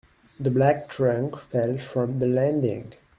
The black trunk fell from the landing.